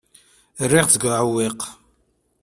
Rriɣ-tt deg uɛewwiq.